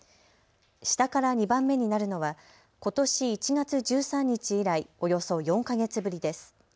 下から２番目になるのはことし１月１３日以来、およそ４か月ぶりです。